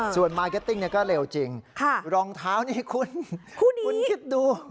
ส่วนมาร์เก็ตติ้งก็เร็วจริงรองเท้านี่คุณคิดดู